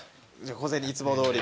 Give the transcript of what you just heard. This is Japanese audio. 小銭いつもどおり。